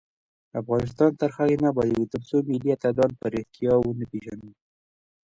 افغانستان تر هغو نه ابادیږي، ترڅو ملي اتلان په ریښتیا ونه پیژنو.